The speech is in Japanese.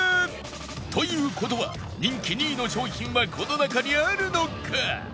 という事は人気２位の商品はこの中にあるのか？